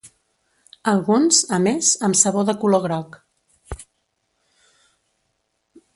Alguns, a més, amb sabó de color groc.